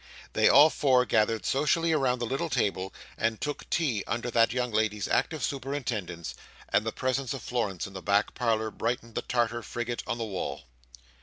They all four gathered socially about the little table, and took tea under that young lady's active superintendence; and the presence of Florence in the back parlour, brightened the Tartar frigate on the wall.